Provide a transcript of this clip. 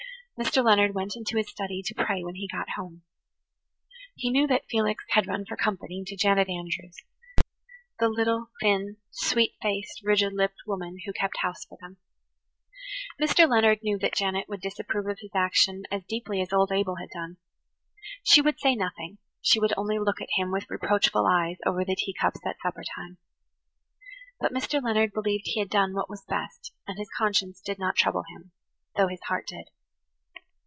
Mr. Leonard went to his study to pray when he got home. He knew that Felix had run for comforting to Janet Andrews, the little thin, sweet faced, rigid lipped woman who kept house for them. Mr. Leonard knew that Janet would disapprove of his action as deeply as old Abel had done. She would say nothing, she would only look at him with reproachful eyes over the teacups at suppertime. But Mr. Leonard believed he had done what was best and his conscience did not trouble him, though his heart did.